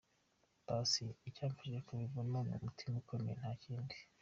Paccy: Icyamfashije kubivamo ni umutima ukomeye nta kindi.